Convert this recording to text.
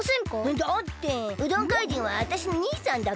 だってうどん怪人はあたしの兄さんだから。